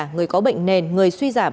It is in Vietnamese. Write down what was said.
người có bệnh nền người suy giảm